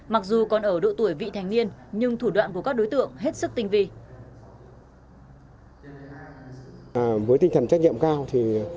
mặc dù còn ở độ tuổi vị thành niên nhưng thủ đoạn của các đối tượng hết sức tinh vi